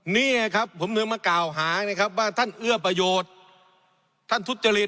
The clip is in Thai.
เนี่ยครับผมเพิ่งมากล่าวหานะครับว่าท่านเอื้อประโยชน์ท่านทุธฤษ